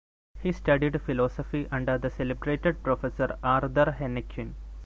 He studied philosophy under the celebrated Professor Arthur Hennequin.